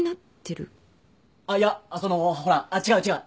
あっいやあっそのほらあっ違う違う。